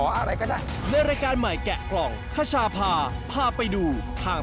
อะไรก็ได้ในรายการใหม่แกะกล่องคชาพาพาไปดูทาง